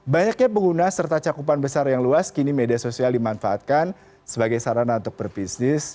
banyaknya pengguna serta cakupan besar yang luas kini media sosial dimanfaatkan sebagai sarana untuk berbisnis